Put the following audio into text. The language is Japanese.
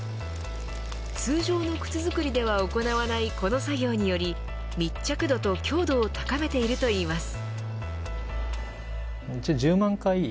通常の靴作りでは行わないこの作業により密着度と強度を高めているといいます。